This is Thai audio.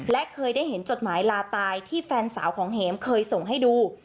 และเคยได้เห็นจดหมายลาตายที่แฟนสาวของเห็มเคยส่งให้ดู